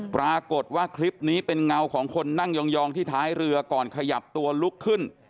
ปรากฏว่าคลิปนี้เป็นเงาของคนนั่งยองที่ท้ายเรือก่อนขยับตัวลุกขึ้น